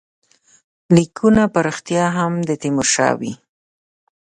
لیکونه په ریشتیا هم د تیمورشاه وي.